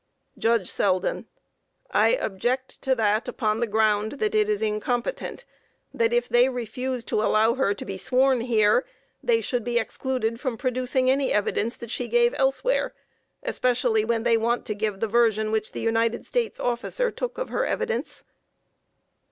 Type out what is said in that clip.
JUDGE SELDEN: I object to that upon the ground that it is incompetent, that if they refuse to allow her to be sworn here, they should be excluded from producing any evidence that she gave elsewhere, especially when they want to give the version which the United States officer took of her evidence.